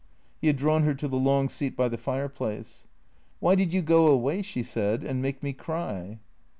He had drawn her to the long seat by the fireplace. " Why did you go away," she said, " and make me cry